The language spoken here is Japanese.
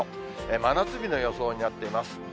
真夏日の予想になっています。